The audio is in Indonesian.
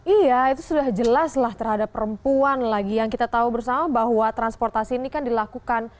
iya itu sudah jelas lah terhadap perempuan lagi yang kita tahu bersama bahwa transportasi ini kan dilakukan